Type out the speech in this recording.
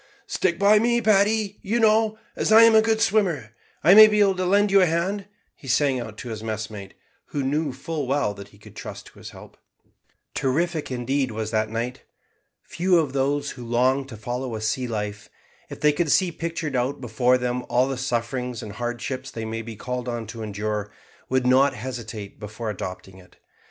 "Stick by me, Paddy, you know; as I'm a good swimmer I may be able to lend you a hand," he sang out to his messmate, who knew full well that he could trust to his help. Terrific, indeed, was that night. Few of those who long to follow a sea life, if they could see pictured out before them all the sufferings and hardships they may be called on to endure, would not hesitate before adopting it.